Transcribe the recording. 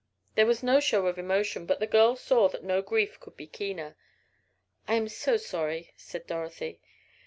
There was no show of emotion, but the girl saw that no grief could be keener. "I am so sorry," said Dorothy.